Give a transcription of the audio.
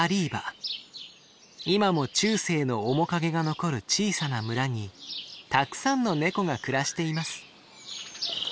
今も中世の面影が残る小さな村にたくさんのネコが暮らしています。